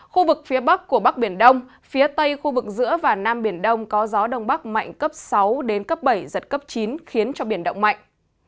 khu vực phía bắc của bắc biển đông phía tây khu vực giữa và nam biển đông có gió đông bắc mạnh cấp sáu đến cấp bảy giật cấp chín khiến cho biển động mạnh